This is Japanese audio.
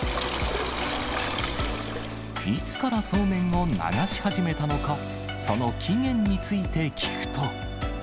いつからそうめんを流し始めたのか、その起源について聞くと。